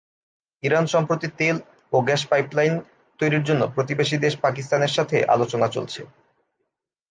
Iran সম্প্রতি তেল ও গ্যাস পাইপলাইন তৈরির জন্য প্রতিবেশী দেশ পাকিস্তানের সাথে আলোচনা চলছে।